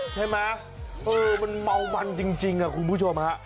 ใช่ไหมเออมันเมามันจริงคุณผู้ชมฮะ